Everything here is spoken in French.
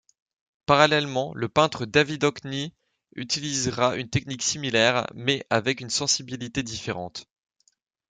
Parallèlement, le peintre David Hockney utilisera une technique similaire, mais avec une sensibilité différente.